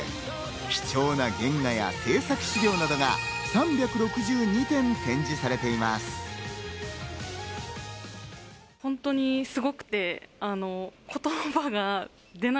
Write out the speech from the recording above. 貴重な原画や制作資料などが３６２点、展示されています。